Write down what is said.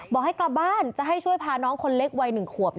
ให้กลับบ้านจะให้ช่วยพาน้องคนเล็กวัย๑ขวบ